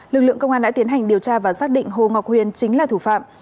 lực lượng công an đã tiến hành điều tra và xác định hồ ngọc huyền chính là thủ phạm